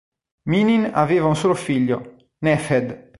Minin aveva un solo figlio, Nefёd.